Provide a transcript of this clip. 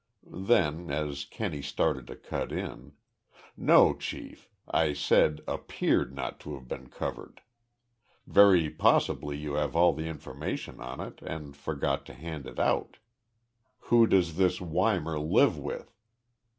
Then, as Kenney started to cut in, "No, Chief, I said appeared not to have been covered. Very possibly you have all the information on it and forgot to hand it out. Who does this Weimar live with?"